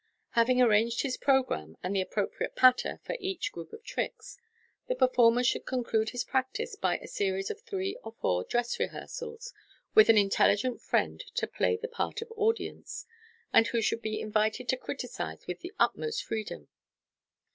Having arranged his programme, and the appropriate " patter M for each group of tricks, the performer should conclude his practice by a series of three or four " dress rehearsals," with an intelligent friend to play the pa t of audience, and who should be invited to criticise witti the utmost freedom.